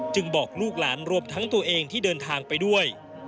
บอกลูกหลานรวมทั้งตัวเองที่เดินทางไปด้วย